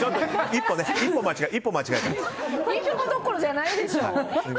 一歩どころじゃないでしょ！